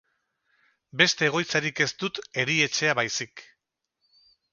Beste egoitzarik ez dut erietxea baizik.